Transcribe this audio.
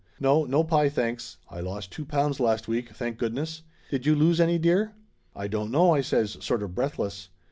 No, no pie, thanks! I lost two pounds last week, thank goodness ! Did you lose any, dear ?" "I don't know !" I says, sort of breathless.